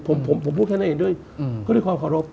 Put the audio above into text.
ผมพูดแค่นั้นเองด้วยความขอรพ